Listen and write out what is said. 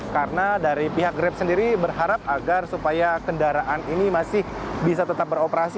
karena dari pihak grab sendiri berharap agar supaya kendaraan ini masih bisa tetap beroperasi